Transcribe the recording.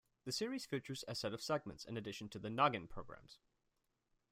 The series features a set of segments in addition to the "Noggin" programs.